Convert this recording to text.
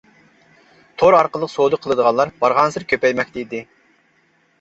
تور ئارقىلىق سودا قىلىدىغانلار بارغانسېرى كۆپەيمەكتە ئىدى.